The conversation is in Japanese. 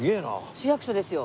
市役所ですよ。